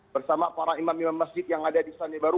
bersama para imam imam masjid yang ada di selandia baru